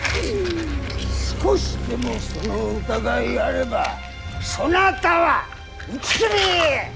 少しでもその疑いあればそなたは打ち首！